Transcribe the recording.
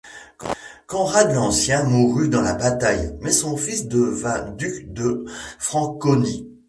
Conrad l'Ancien mourut dans la bataille, mais son fils devint duc de Franconie.